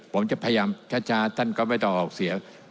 ผมจะพยายามช้าท่านก็ไม่ต้องออกเสียง